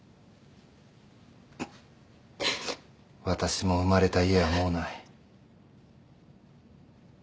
私も生まれた家はもうない。